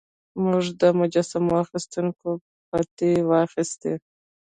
موږ د مجسمو اخیستونکو پتې واخیستې.